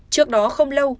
trước đó không lâu